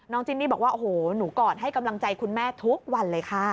จินนี่บอกว่าโอ้โหหนูกอดให้กำลังใจคุณแม่ทุกวันเลยค่ะ